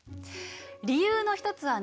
理由の一つはね